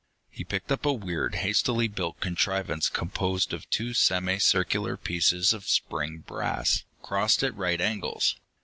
He picked up a weird, hastily built contrivance composed of two semi circular pieces of spring brass, crossed at right angles.